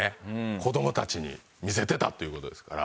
子どもたちに見せてたっていう事ですから。